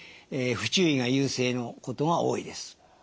不注意が優勢のことが多いです。